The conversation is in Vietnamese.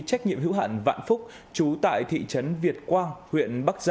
chị quỳnh anh làm nhân viên văn phòng